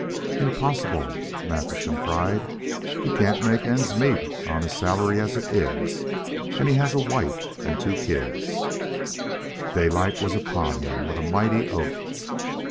"Impossible!" Matthewson cried. "He can't make ends meet on his salary as it is, and he has a wife and two kids " Daylight was upon him with a mighty oath.